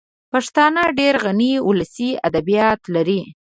پښتانه ډېر غني ولسي ادبیات لري